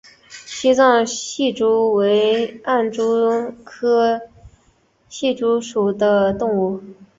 西藏隙蛛为暗蛛科隙蛛属的动物。